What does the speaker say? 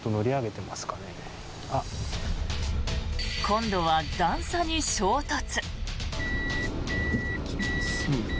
今度は段差に衝突。